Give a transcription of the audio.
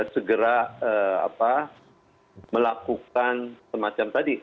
segera melakukan semacam tadi